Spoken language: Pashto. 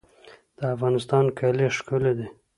د افغانستان کالي ښکلي دي